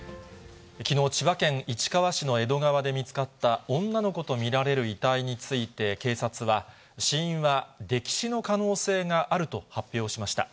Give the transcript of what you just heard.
きのう、千葉県市川市の江戸川で見つかった女の子と見られる遺体について、警察は、死因は溺死の可能性があると発表しました。